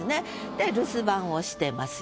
で留守番をしてますよ。